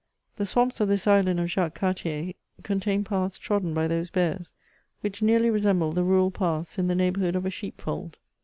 The swamps of this island of Jacques Cartier contain paths trodden by those bears, which nearly resemble the rural paths in the neighbourhood of a sheep fold.